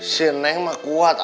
si neng mah kuat